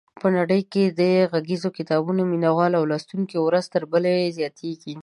په نړۍ کې د غږیزو کتابونو مینوال او لوستونکي ورځ تر بلې زیاتېږي.